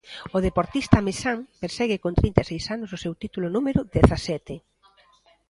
O deportista amesán persegue con trinta e seis anos o seu título número dezasete.